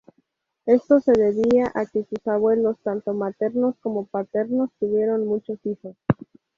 Esto se debía a que sus abuelos, tanto maternos como paternos, tuvieron muchos hijos.